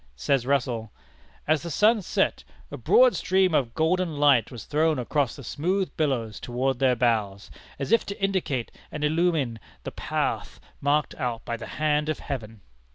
Says Russell: "As the sun set, a broad stream of golden light was thrown across the smooth billows toward their bows, as if to indicate and illumine the path marked out by the hand of Heaven."